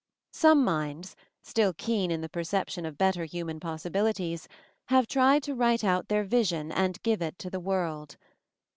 Some minds, still keen in the perception of better human possibilities, have tried to write out their vision and give it to the world.